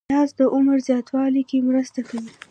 پیاز د عمر زیاتولو کې مرسته کوي